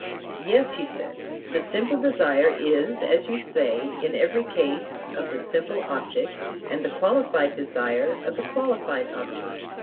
Yes, he said; the simple desire is, as you say, in every case of the simple object, and the qualified desire of the qualified object.